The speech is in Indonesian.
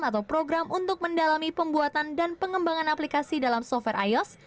atau program untuk mendalami pembuatan dan pengembangan aplikasi dalam software ios